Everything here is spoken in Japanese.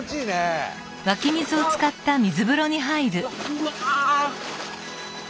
うわ！